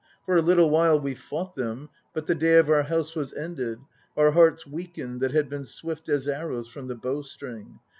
For a little while we fought them, But the day of our House was ended, Our hearts weakened That had been swift as arrows from the bowstring.